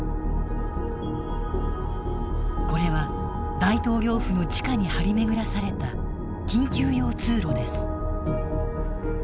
これは大統領府の地下に張り巡らされた緊急用通路です。